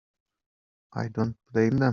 I don't blame them.